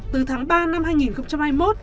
từ tháng ba năm hai nghìn hai mươi một